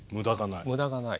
無駄がない。